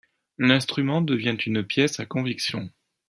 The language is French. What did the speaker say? L’instrument devient une pièce à conviction.